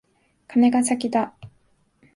カネが先だ。